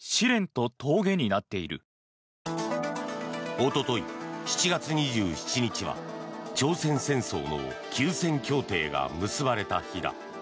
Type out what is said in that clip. おととい、７月２７日は朝鮮戦争の休戦協定が結ばれた日だ。